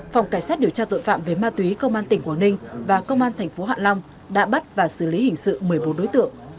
phòng cảnh sát điều tra tội phạm về ma túy công an tỉnh quảng ninh và công an tp hạ long đã bắt và xử lý hình sự một mươi bốn đối tượng